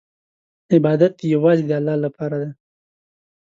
عبادت یوازې د الله لپاره دی.